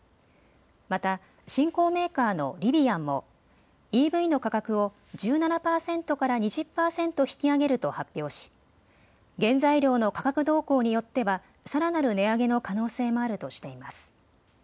また新興メーカーのリヴィアンもＥＶの価格を１７％から２０％引き上げると発表し原材料の価格動向によってはさらなる値上げの可能性もあるとしています。